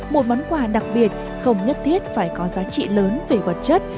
một món quà đặc biệt không nhất thiết phải có giá trị lớn về vật chất